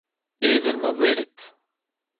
Evel ma welet.